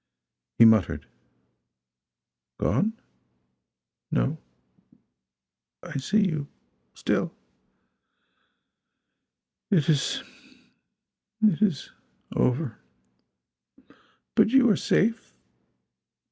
He muttered: "Gone? No I see you still. It is it is over. But you are safe.